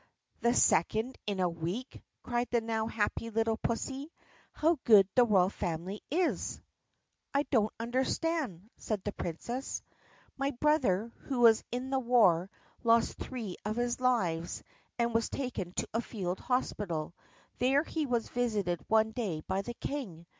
"The second in a week!" cried the now happy little pussy. "How good the royal family is." "I don't understand," said the Princess. "My brother, who was in the war, lost three of his lives and was taken to a field hospital. There he was visited one day by the King.